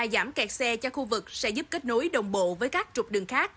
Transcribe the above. giảm kẹt xe cho khu vực sẽ giúp kết nối đồng bộ với các trục đường khác